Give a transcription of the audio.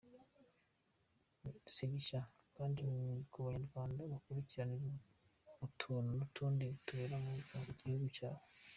Si rishya kandi ku banyarwanda bakurikirana utuntu n’utundi tubera mu gihugu cyabo.